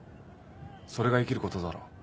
それが生きることだろ。